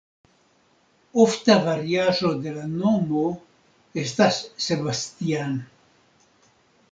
Ofta variaĵo de la nomo estas "Sebastian".